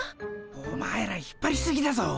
お前ら引っぱりすぎだぞ。